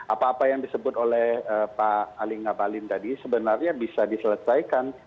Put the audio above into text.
apa apa yang disebut oleh pak ali ngabalin tadi sebenarnya bisa diselesaikan